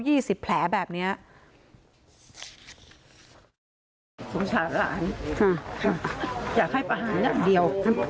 ยี่สิบแผลแบบเนี้ย